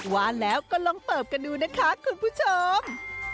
ว่าแล้วก็ลองเสิร์ฟกันดูนะคะคุณผู้ชม